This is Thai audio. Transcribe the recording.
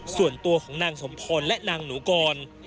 ส่วนตัวของนางสมพรและนางหนูกร